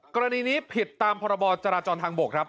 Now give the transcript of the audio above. กรณีนี้ผิดตามพรบจราจรทางบกครับ